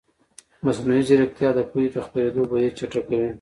مصنوعي ځیرکتیا د پوهې د خپرېدو بهیر چټکوي.